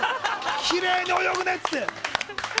きれいに泳ぐねっつって。